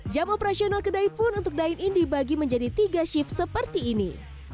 jam operasional kedai pun untuk dine in dibagi menjadi tiga shift seperti ini